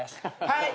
はい！